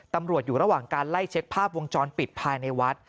ตำรวจอยู่ระหว่างการไล่เช็คภาพวงจรปิดภายในวัด